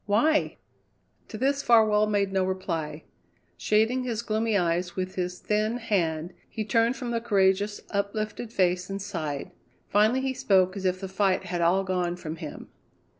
Why?" To this Farwell made no reply. Shading his gloomy eyes with his thin hand, he turned from the courageous, uplifted face and sighed. Finally he spoke as if the fight had all gone from him.